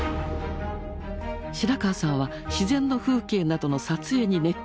白川さんは自然の風景などの撮影に熱中。